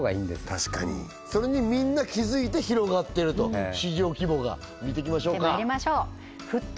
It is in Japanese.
確かにそれにみんな気付いて広がってると市場規模が見てきましょうか沸騰！